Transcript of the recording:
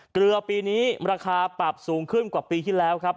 เกลือปีนี้ราคาปรับสูงขึ้นกว่าปีที่แล้วครับ